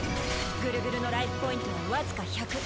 グルグルのライフポイントはわずか１００。